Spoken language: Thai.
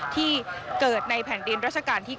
ที่เกิดในแผ่นดินรัชกาลที่๙